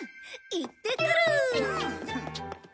行ってくる！